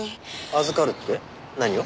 預かるって何を？